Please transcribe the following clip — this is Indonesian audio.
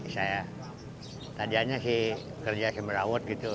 saya tadianya sih kerja sembarawut gitu